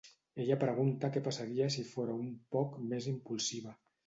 Ella pregunta que passaria si fóra un "poc" més impulsiva.